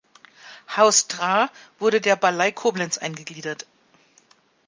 Haus Traar wurde der Ballei Koblenz eingegliedert.